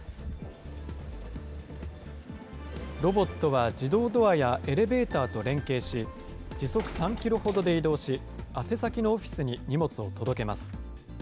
ロボットは自動ドアやエレベーターと連携し、時速３キロほどで移動し、宛先のオフィスに荷物を届けます。